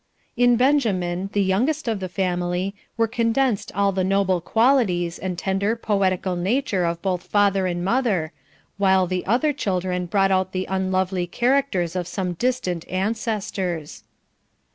In Benjamin, the youngest of the family, were condensed all the noble qualities and tender, poetical nature of both father and mother, while the other children brought out the unlovely characters of some distant ancestors.